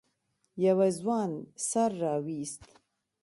يوه ځوان سر راويست.